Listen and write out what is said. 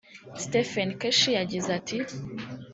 Stephen Keshi yagize ati